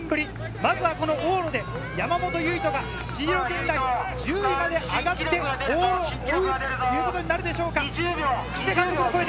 まずは往路で山本唯翔がシード圏内、１０位まで上がって往路を終えることになるでしょうか。